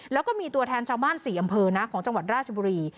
แล้วก็มีตัวแทนชาวบ้าน๔อำเภอนะของจังหวัดราชบุรี